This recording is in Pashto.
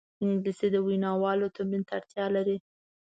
انګلیسي د ویناوالو تمرین ته اړتیا لري